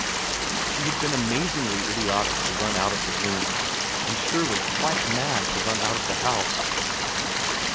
She had been amazingly idiotic to run out of the room, and surely quite mad to run out of the house.